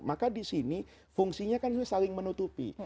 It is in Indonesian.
maka disini fungsinya kan saling menutupi